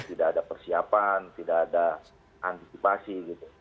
tidak ada persiapan tidak ada antisipasi gitu